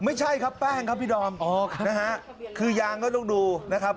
ไม่ใช่ครับแป้งครับพี่ดอมนะฮะคือยางก็ต้องดูนะครับ